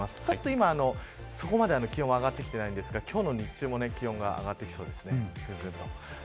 ちょっと今そこまで気温は上がってきてないんですが今日の日中も気温が上がってきそうです。